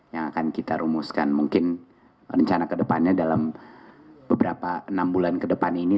yang akan kita rumuskan mungkin rencana kedepannya dalam beberapa enam bulan ke depan ini